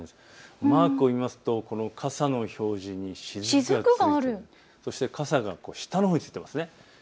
マークを見ますとこの傘の表示、滴がある傘が下のほうにうつっています。